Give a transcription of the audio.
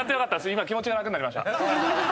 今気持ちが楽になりました。